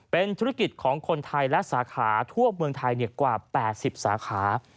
เป็นธุรกิจของคนไทยและสาขาทั่วเมืองไทยกว่า๘๐สาขา